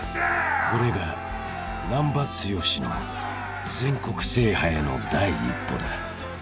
［これが難破剛の全国制覇への第一歩だ］